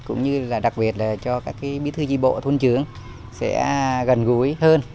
cũng như là đặc biệt là cho các bí thư di bộ thôn trưởng sẽ gần gũi hơn